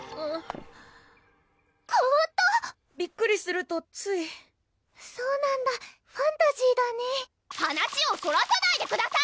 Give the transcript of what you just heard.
かわった⁉びっくりするとついそうなんだファンタジーだね話をそらさないでください！